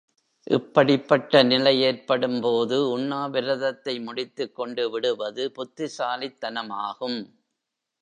இப்படிப்பட்ட நிலை ஏற்படும்போது, உண்ணாவிரதத்தை முடித்துக் கொண்டு விடுவது புத்திசாலித்தனமாகும்.